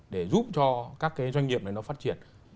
để giúp cho các cái doanh nghiệp này nó phát triển